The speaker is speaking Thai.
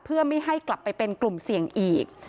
เพื่อไม่ให้กลับไปเป็นกลุ่มเสี่ยงอีก